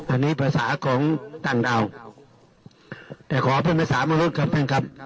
อันนี้ภาษาของต่างดาวแต่ขอเป็นภาษามนุษย์ครับท่านครับ